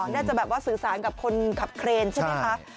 น่าจะแบบว่าสื่อสารกับคนขับเครนใช่ไหมคะ